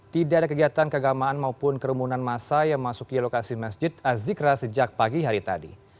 tidak ada kegiatan keagamaan maupun kerumunan masa yang masuk ke lokasi masjid azikra sejak pagi hari tadi